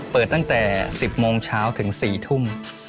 เปิดตั้งแต่๑๐โมงเช้าถึง๔ทุ่ม